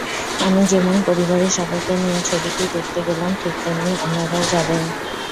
আমি যেমন পরিবারের সবাইকে নিয়ে ছবিটি দেখতে গেলাম, ঠিক তেমনি অন্যরাও যাবেন।